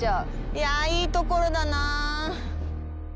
いやぁ、いいところだなぁ。